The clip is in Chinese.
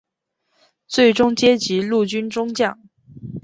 最终阶级陆军中将。